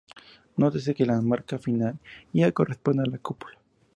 Nótese que la marca final -ia corresponde a la cópula.